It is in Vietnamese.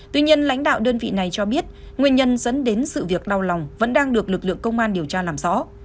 tuy nhiên lãnh đạo đơn vị này cho biết nguyên nhân dẫn đến sự việc đau lòng vẫn đang được lực lượng công an điều tra làm rõ